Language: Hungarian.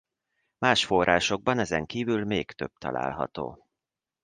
Más forrásokban ezeken kívül még több található.